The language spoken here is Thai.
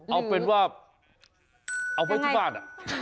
เอาเป็นว่าเอาไว้ที่บ้าน